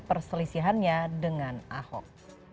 perselisihannya dengan ahok